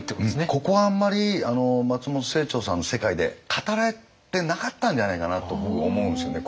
ここはあんまり松本清張さんの世界で語られてなかったんじゃないかなと僕思うんですよね